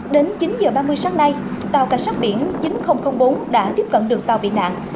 đến chín h ba mươi sáng nay tàu cảnh sát biển chín nghìn bốn đã tiếp cận được tàu bị nạn